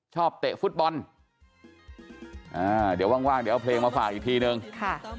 เตะฟุตบอลอ่าเดี๋ยวว่างว่างเดี๋ยวเอาเพลงมาฝากอีกทีนึงค่ะ